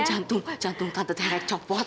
jantung jantung tante teh udah copot